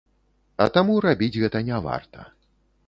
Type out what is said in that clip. А таму рабіць гэта не варта.